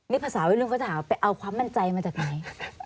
นี่ผสวมลิ่วไปเอาความแม่ใจมาจากไหน